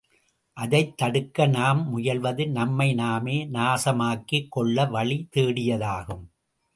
அதைத் தடுக்க நாம் முயல்வது நம்மை நாமே நாசமாக்கிக் கொள்ள வழி தேடியதாகும்.